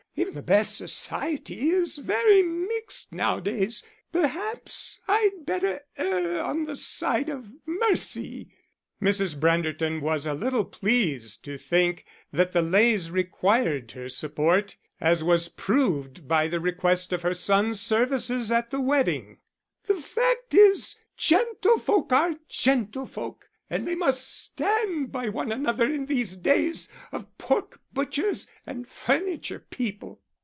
Even the best society is very mixed nowadays. Perhaps I'd better err on the side of mercy!" Mrs. Branderton was a little pleased to think that the Leys required her support as was proved by the request of her son's services at the wedding. "The fact is gentlefolk are gentlefolk, and they must stand by one another in these days of pork butchers and furniture people."